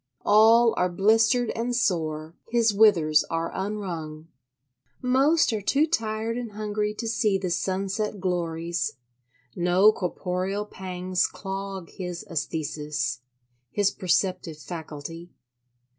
All are blistered and sore: his withers are unwrung. Most are too tired and hungry to see the sunset glories; no corporeal pangs clog his æsthesis—his perceptive faculty.